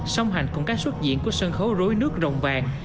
song hành cùng các xuất diễn của sân khấu rối nước rồng vàng